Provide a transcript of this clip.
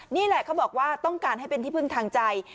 นี่แหละเขาบอกว่าต้องการให้เป็นที่พึ่งทางใจ